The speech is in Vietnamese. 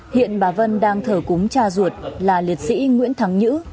hiện bà vân đang thờ cúng cha ruột là liệt sĩ nguyễn thắng nhữ